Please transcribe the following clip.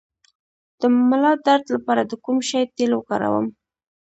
د ملا درد لپاره د کوم شي تېل وکاروم؟